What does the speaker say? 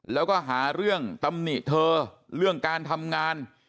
แล้วก็หาเรื่องตำหนิเธอเรื่องการทำงาน